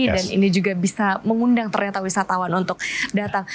dan ini juga bisa mengundang ternyata wisatawan untuk datang